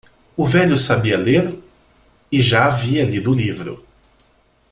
O velho sabia ler? e já havia lido o livro.